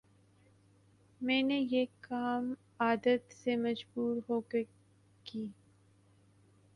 میں نے یہ کام عادت سے مجبور ہوکرکی